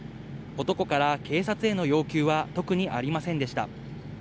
男から警察への要求は特にありませんでした。